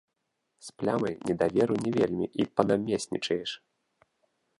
З плямай недаверу не вельмі і панамеснічаеш.